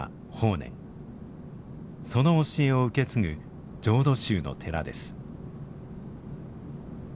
その教えを受け継ぐ浄土宗の寺です。